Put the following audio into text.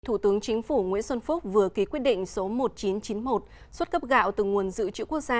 thủ tướng chính phủ nguyễn xuân phúc vừa ký quyết định số một nghìn chín trăm chín mươi một xuất cấp gạo từ nguồn dự trữ quốc gia